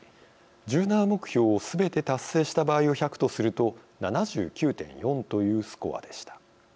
１７目標をすべて達成した場合を１００とすると７９．４というスコアでした。